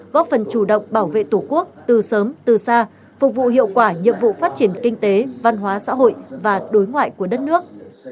góp phần chủ động bảo vệ tổ quốc từ sớm từ xa phục vụ hiệu quả nhiệm vụ phát triển kinh tế văn hóa xã hội và đối ngoại của đất nước